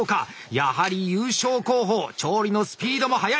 やはり優勝候補調理のスピードもはやい！